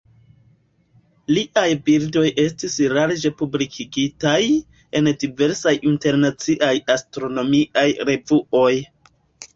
Liaj bildoj estis larĝe publikigitaj en diversaj internaciaj astronomiaj revuoj.